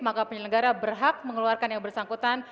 maka penyelenggara berhak mengeluarkan yang bersangkutan